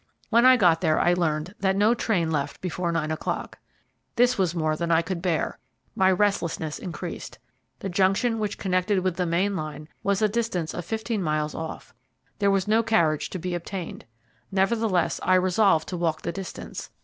When I got there I learned that no train left before nine o'clock. This was more than I could bear; my restlessness increased. The junction which connected with the main line was a distance of fifteen miles off. There was no carriage to be obtained. Nevertheless, I resolved to walk the distance.